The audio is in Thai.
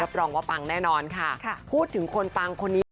รองว่าปังแน่นอนค่ะพูดถึงคนปังคนนี้